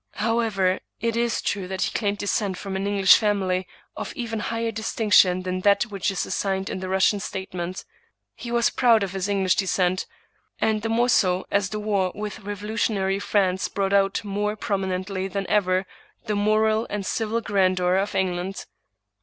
However, it is true that he claimed descent from an English family of even higher distinction than that which is assigned in the Russian statement. He was proud of this English descent, and the more so as the war with revolutionary France brought out more prom inently than ever the moral and civil grandeur of England.